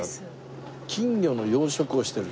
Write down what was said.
金魚の養殖をしてる。